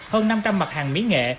hơn năm trăm linh mặt hàng mỹ nghệ